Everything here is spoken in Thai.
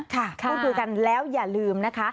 ค่ะคุณผู้ชมกันแล้วอย่าลืมนะคะ